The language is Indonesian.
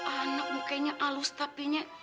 anak mukanya alus tapinya